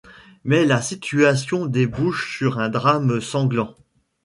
Mais la situation débouche sur un drame sanglant.